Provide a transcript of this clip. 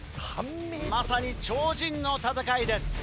まさに超人の戦いです。